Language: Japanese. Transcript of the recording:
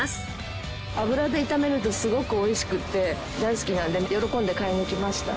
油で炒めるとすごく美味しくて大好きなので喜んで買いに来ました。